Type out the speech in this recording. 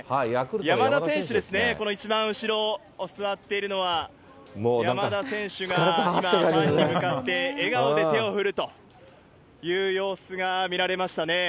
山田選手ですね、この一番後ろ座っているのは、山田選手が今ファンに向かって笑顔で手を振るという様子が見られましたね。